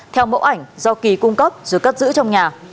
theo mẫu ảnh do kỳ cung cấp rồi cất giữ trong nhà